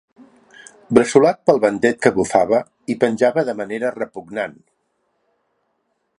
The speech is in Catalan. Bressolat pel ventet que bufava, hi penjava de manera repugnant.